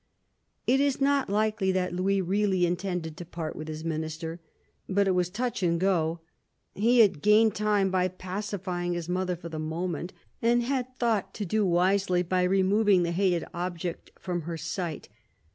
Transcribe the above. It is not likely that Louis really intended to part with his Minister. But it was touch and go. He had gained time by pacifying his mother for the moment, and had thought to do wisely by removing the hated object from her sight.